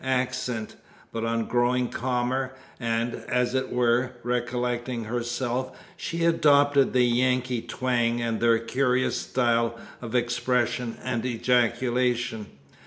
accent, but on growing calmer, and, as it were, recollecting herself, she adopted the Yankee twang and their curious style of expression and ejaculation.